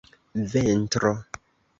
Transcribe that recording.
ventro